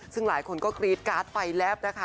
ซึ่งหลายคนก็กรี๊ดการ์ดไฟแลบนะคะ